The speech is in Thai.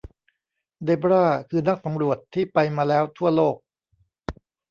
เดบราคือนักสำรวจที่ไปมาแล้วทั่วโลก